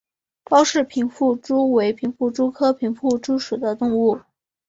包氏平腹蛛为平腹蛛科平腹蛛属的动物。